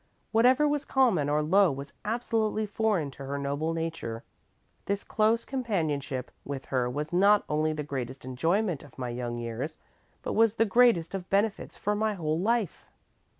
Whatever was common or low was absolutely foreign to her noble nature. This close companionship with her was not only the greatest enjoyment of my young years, but was the greatest of benefits for my whole life."